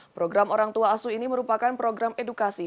program orang tua asuh ini merupakan program edukasi